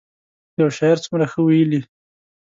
یو شاعر څومره ښه ویلي.